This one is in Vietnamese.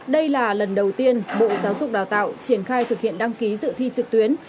đây là lần đầu tiên bộ giáo dục đào tạo triển khai thực hiện đăng ký dự thi trực tuyến